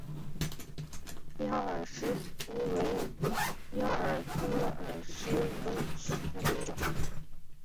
妖洱尺蛾为尺蛾科洱尺蛾属下的一个种。